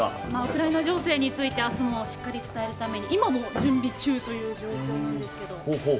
ウクライナ情勢についてあすもしっかり伝えるために今も準備中という状況なんです。